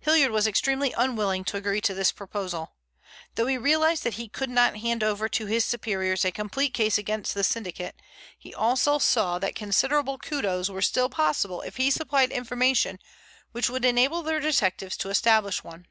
Hilliard was extremely unwilling to agree to this proposal. Though he realized that he could not hand over to his superiors a complete case against the syndicate, he also saw that considerable kudos was still possible if he supplied information which would enable their detectives to establish one.